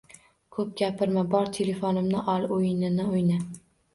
Ko`p gapirma, bor telefonimni ol, o`yinini o`yna